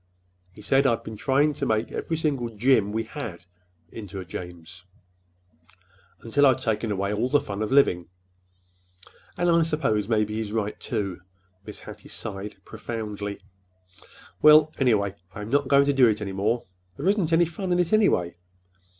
He said I'd been trying to make every single 'Jim' we had into a 'James,' until I'd taken away all the fun of living. And I suppose maybe he's right, too." Mrs. Hattie sighed profoundly. "Well, anyhow, I'm not going to do it any more. There isn't any fun in it, anyway.